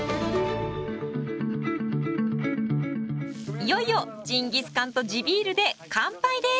いよいよジンギスカンと地ビールで乾杯です。